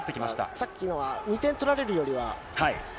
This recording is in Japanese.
さっきのは、２点取られるよ